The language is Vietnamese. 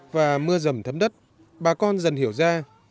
và mưa rầm thấm đất bà con dần hiểu ra